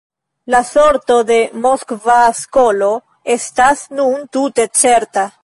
La sorto de Moskva skolo estas nun tute certa.